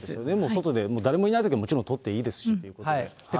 外で、誰もいないときはもちろん取っていいですしということで。